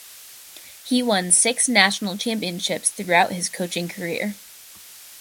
He won six national championships throughout his coaching career.